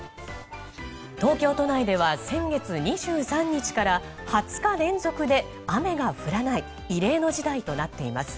東京都内では、先月２３日から２０日連続で雨が降らない異例の事態となっています。